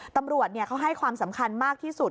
ตำรวจเขาให้ความสำคัญมากที่สุด